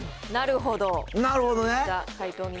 なるほどね。